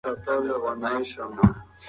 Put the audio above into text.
ایا سهار وختي لمر پر غرونو باندې راوخوت؟